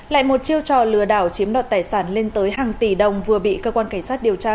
lại một chiêu trò lừa đảo chiếm đoạt tài sản lên tới hàng tỷ đồng vừa bị cơ quan cảnh sát điều tra